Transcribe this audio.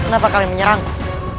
kenapa kalian menyerangku